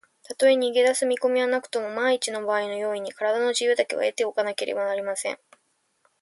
たとえ逃げだす見こみはなくとも、まんいちのばあいの用意に、からだの自由だけは得ておかねばなりません。